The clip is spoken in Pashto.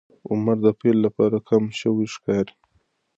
عمر د پیل لپاره کم شوی ښکاري.